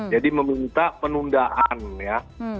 jadi meminta penundaan ya